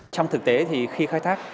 trong thực tế thì khi khai thác